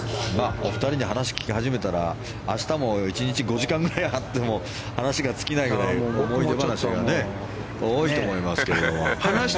お二人に話を聞き始めたら明日５時間ぐらいあっても話が尽きないぐらい思い出話が多いと思いますけど。